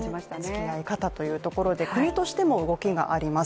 つきあい方というところで国としても動きがあります。